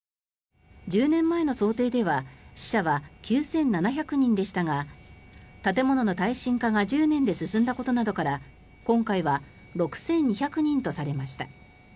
１０年前の想定では死者は９７００人でしたが建物の耐震化が１０年で進んだことなどから今回は６２００人とされました。